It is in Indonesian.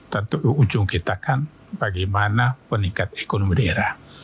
tentu ujung kita kan bagaimana peningkat ekonomi daerah